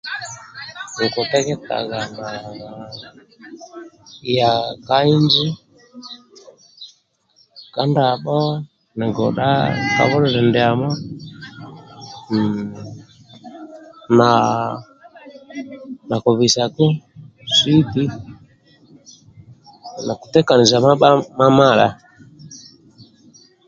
Okutetagha na ya ka inji ka ndqbho na godha ka bulili ndiamo na kubisaku siti no kutekaniza mamadha